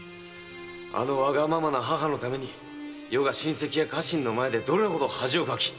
あのわがままな母のために余が親戚や家臣の前でどれほど恥をかき苦労したか〕